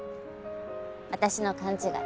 私の勘違い。